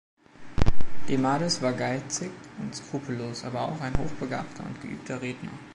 Demades war geizig und skrupellos, aber auch ein hochbegabter und geübter Redner.